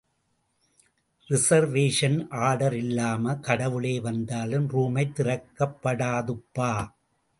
Reservation order இல்லாம கடவுளே வந்தாலும் ரூமைத் திறக்கப்படாதுப்பா.